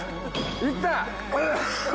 いった！